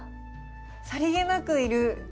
さりげなくいる。